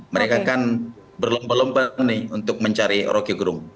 mereka kan berlomba lomba nih untuk mencari roky gerung